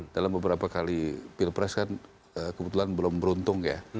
dalam beberapa kali pilpres kan kebetulan belum beruntung ya